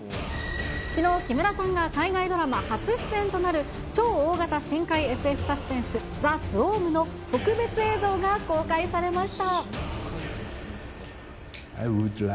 きのう、木村さんが海外ドラマ初出演となる超大型深海ＳＦサスペンス、ザ・スウォームの特別映像が公開されました。